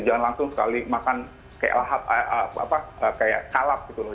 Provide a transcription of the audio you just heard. jangan langsung sekali makan kayak kalap gitu loh